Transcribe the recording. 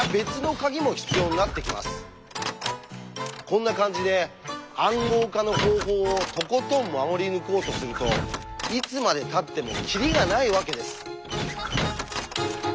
こんな感じで「暗号化の方法」をとことん守り抜こうとするといつまでたってもキリがないわけです。